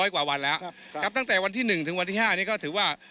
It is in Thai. กว่าวันแล้วครับตั้งแต่วันที่๑ถึงวันที่๕นี้ก็ถือว่า